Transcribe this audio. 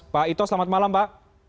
pak ito selamat malam pak